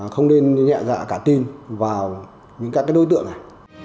không nên nhẹ dạ cả tin vào những các đối tượng này